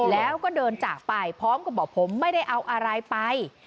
แล้วก็เดินจากไปพร้อมกับบอกผมไม่ได้เอาอะไรไป